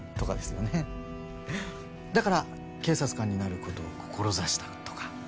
だから警察官になる事を志したとか。